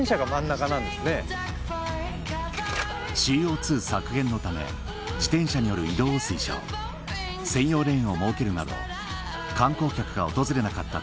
ＣＯ削減のため自転車による移動を推奨専用レーンを設けるなど観光客が訪れなかった